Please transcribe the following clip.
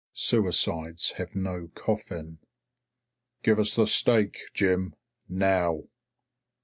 Suicides have no coffin. "Give us the stake, Jim. Now."